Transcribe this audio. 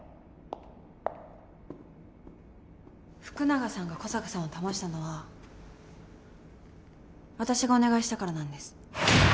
福永さんが小坂さんをだましたのはわたしがお願いしたからなんです。